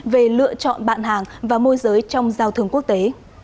về lựa chọn bạn hàng và môi giới trong giao thương quốc tế